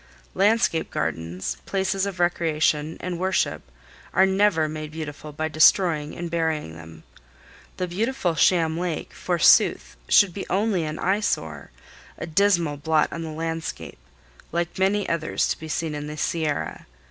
Landscape gardens, places of recreation and worship, are never made beautiful by destroying and burying them. The beautiful sham lake, forsooth, should be only an eyesore, a dismal blot on the landscape, like many others to be seen in the Sierra.